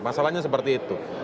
masalahnya seperti itu